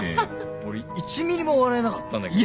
俺１ミリも笑えなかったんだけど。